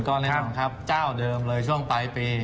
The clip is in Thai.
ก็แน่นอนครับเจ้าเดิมเลยช่วงปลายปี